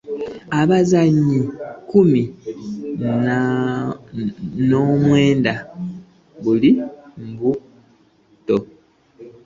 Abazannyi kumi na mwenda bali mbuto.